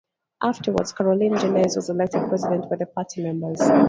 Afterwards, Caroline Gennez was elected President by the party members.